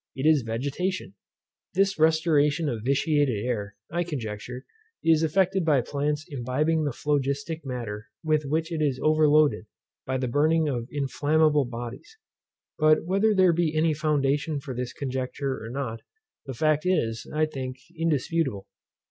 It is vegetation. This restoration of vitiated air, I conjecture, is effected by plants imbibing the phlogistic matter with which it is overloaded by the burning of inflammable bodies. But whether there be any foundation for this conjecture or not, the fact is, I think, indisputable.